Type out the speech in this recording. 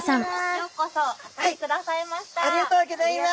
ようこそお越しくださいました！